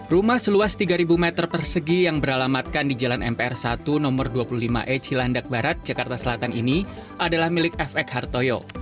rumah seluas tiga meter persegi yang beralamatkan di jalan mpr satu nomor dua puluh lima e cilandak barat jakarta selatan ini adalah milik fx hartoyo